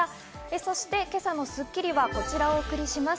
そして今朝の『スッキリ』はこちらをお送りします。